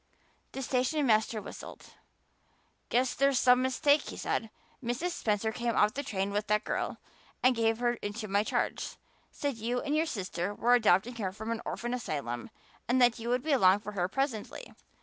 The stationmaster whistled. "Guess there's some mistake," he said. "Mrs. Spencer came off the train with that girl and gave her into my charge. Said you and your sister were adopting her from an orphan asylum and that you would be along for her presently.